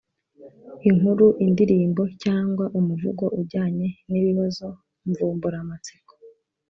inkuru, indirimbo cyangwa umuvugo ujyanye n’ibibazo mvumburamatsiko.